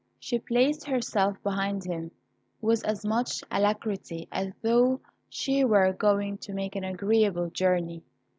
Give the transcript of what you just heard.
She placed herself behind him with as much alacrity as though she were going to make an agreeable journey.